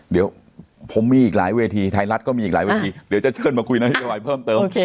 เดี๋ยวผมมีอีกหลายเวทีไทยรัฐก็มีอีกหลายเวทีเดี๋ยวจะเชิญมาคุยนโยบายเพิ่มเติม